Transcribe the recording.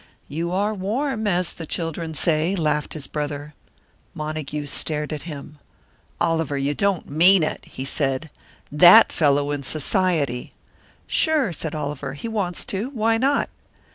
"You are warm, as the children say," laughed his brother. Montague stared at him. "Oliver, you don't mean it," he said. "That fellow in Society!" "Sure," said Oliver, "if he wants to. Why not?"